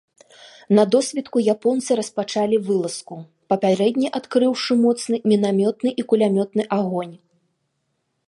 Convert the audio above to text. На досвітку японцы распачалі вылазку, папярэдне адкрыўшы моцны мінамётны і кулямётны агонь.